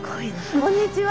こんにちは。